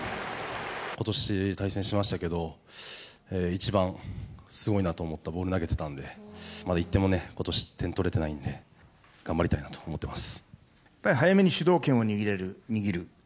ことし対戦しましたけど、一番すごいなと思ったボール投げてたんで、まだ１点もことし、点を取れてないんで、頑張りたいなと思っていやっぱり早めに主導権を握る。